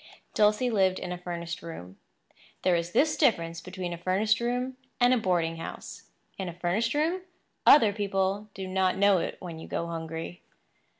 Dulcie lived in a furnished room. There is this difference between a furnished room and a boarding house. In a furnished room, other people do not know it when you go hungry.